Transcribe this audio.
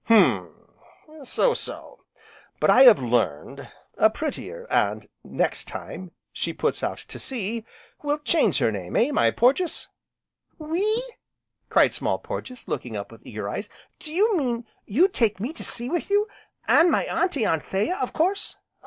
"Hum! so so, but I have learned a prettier, and next time she puts out to sea we'll change her name, eh, my Porges?" "We?" cried Small Porges, looking up with eager eyes, "do you mean you'd take me to sea with you, an' my Auntie Anthea, of course?"